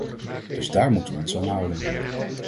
Dus daar moeten we ons aan houden.